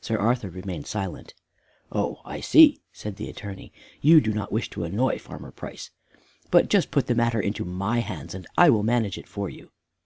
Sir Arthur remained silent. "Oh! I see," said the Attorney. "You do not wish to annoy Farmer Price. But just put the matter into my hands and I will manage it for you."